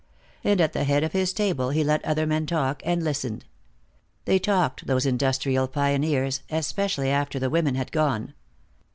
And, at the head of his table, he let other men talk and listened. They talked, those industrial pioneers, especially after the women had gone.